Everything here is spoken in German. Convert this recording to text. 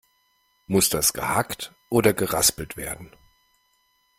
Muss das gehackt oder geraspelt werden?